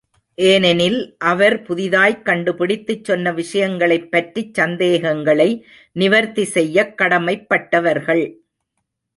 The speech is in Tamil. ஏனெனில் அவர் புதியதாய்க் கண்டுபிடித்துச் சொன்ன விஷயங்களைப் பற்றிச் சந்தேகங்களை நிவர்த்தி செய்யக் கடமைப்பட்டவர்கள்.